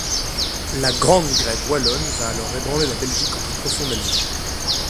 La grande grève wallonne va alors ébranler la Belgique au plus profond d'elle-même.